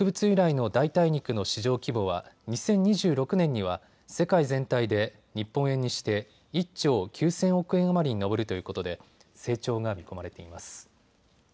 由来の代替肉の市場規模は２０２６年には世界全体で日本円にして１兆９０００億円余りに上るということで成長が見込まれています。